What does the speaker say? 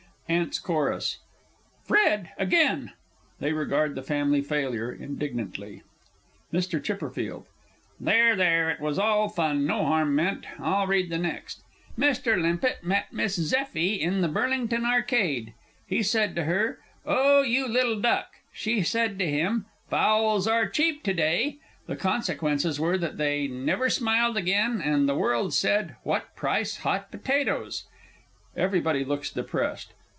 AUNTS' CHORUS. Fred again! [They regard the FAMILY FAILURE indignantly. MR. C. There, there, it was all fun no harm meant. I'll read the next. "Mr. Limpett met Miss Zeffie in the Burlington Arcade. He said to her, 'O, you little duck!' She said to him, 'Fowls are cheap to day!' The consequences were that they never smiled again, and the world said, 'What price hot potatoes?'" (_Everybody looks depressed.